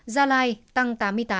gia lai tăng tám mươi tám